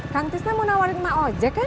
kang tisna mau nawarin mak aja kan